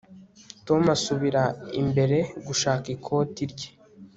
tom asubira imbere gushaka ikoti rye